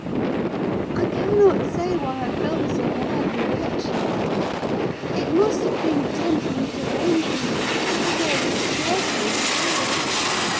I cannot say why I felt so wildly wretched: it must have been temporary derangement; for there is scarcely cause.